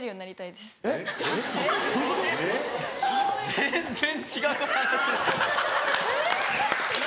・・全然違う話！